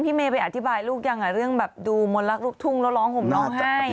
พี่เมย์ไปอธิบายลูกยังอ่ะเรื่องแบบดูมนตร์ล็ากลูกทุ่งแล้วร้องผมน้องไห้